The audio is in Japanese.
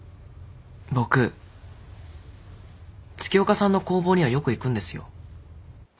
僕月岡さんの工房にはよく行くんですよ。